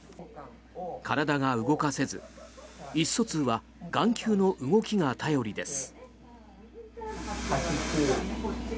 体が動かせず、意思疎通は眼球の動きが頼りです。